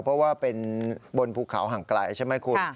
เพราะว่าเป็นบนภูเขาห่างไกลใช่ไหมคุณ